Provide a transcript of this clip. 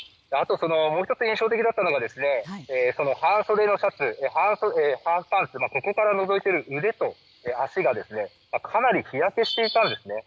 もう１つ印象的だったのが半袖のシャツ、ハーフパンツからのぞいている腕と足がかなり日焼けしていたんですね。